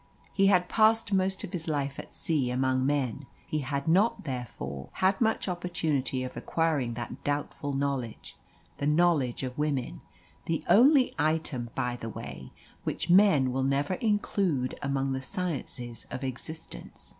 He had passed most of his life at sea among men. He had not, therefore, had much opportunity of acquiring that doubtful knowledge the knowledge of women the only item, by the way, which men will never include among the sciences of existence.